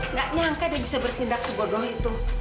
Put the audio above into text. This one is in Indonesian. nggak nyangka dia bisa bertindak sebodoh itu